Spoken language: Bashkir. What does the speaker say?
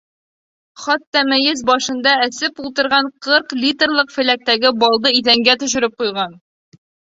Хатта мейес башында әсеп ултырған ҡырҡ литрлыҡ феләктәге балды иҙәнгә төшөрөп ҡуйған.